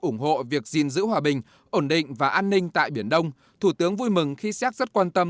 ủng hộ việc gìn giữ hòa bình ổn định và an ninh tại biển đông thủ tướng vui mừng khi xác rất quan tâm